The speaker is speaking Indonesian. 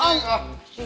masih kecil sih